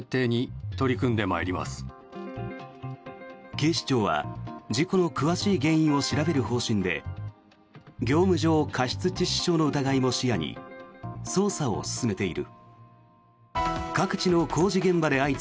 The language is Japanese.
警視庁は事故の詳しい原因を調べる方針で業務上過失致死傷の疑いも視野に捜査を進めている。